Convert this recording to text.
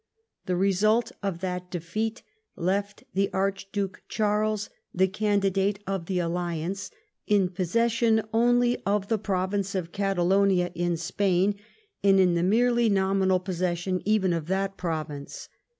The result of that defeat left the Archduke Charles, the candidate of the alliance, in possession only of the province of Catalonia, in Spain, and in the merely nominal pos session even of that province.